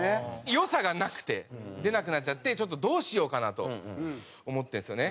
良さがなくて出なくなっちゃってちょっとどうしようかな？と思ってるんですよね。